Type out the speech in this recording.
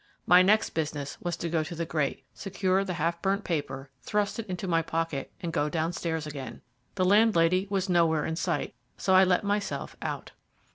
My next business was to go to the grate, secure the half burnt paper, thrust it into my pocket, and go downstairs again. The landlady was nowhere in sight, so I let myself out.